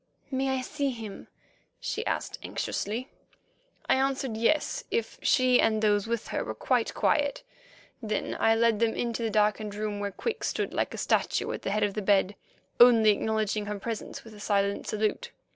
"May I see him?" she asked anxiously. I answered yes, if she and those with her were quite quiet. Then I led them into the darkened room where Quick stood like a statue at the head of the bed, only acknowledging her presence with a silent salute.